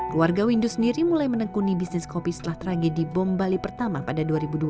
keluarga windu sendiri mulai menekuni bisnis kopi setelah tragedi bom bali pertama pada dua ribu dua belas